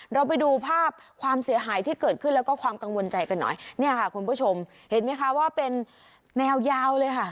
เราไปดูภาพความเสียหายที่เกิดขึ้นแล้วก็ความกังวลใจกันหน่อยเนี่ยค่ะคุณผู้ชมเห็นไหมคะว่าเป็นแนวยาวเลยค่ะ